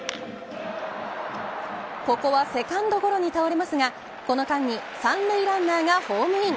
ここはセカンドゴロに倒れますがこの間に三塁ランナーがホームイン。